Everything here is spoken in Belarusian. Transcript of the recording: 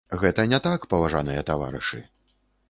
Гэта не так, паважаныя таварышы.